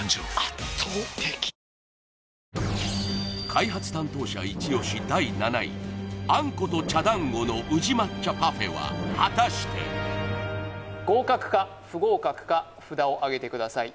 開発担当者イチ押し第７位あんこと茶だんごの宇治抹茶パフェは果たして合格か不合格か札をあげてください